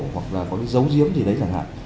hoặc là có cái dấu diếm gì đấy chẳng hạn